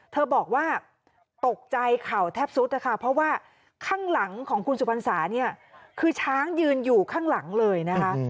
บอกว่าตกใจเข่าแทบสุดนะคะเพราะว่าข้างหลังของคุณสุพรรษาเนี่ยคือช้างยืนอยู่ข้างหลังเลยนะคะ